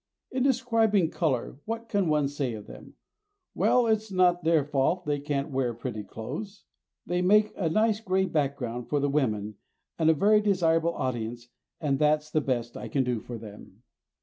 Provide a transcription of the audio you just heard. In describing color what can one say of men? Well, it's not their fault that they can't wear pretty clothes. They make a nice grey background for the women and a very desirable audience and that's the best I can do for them.